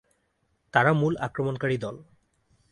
তারা মূল আক্রমণকারী দল।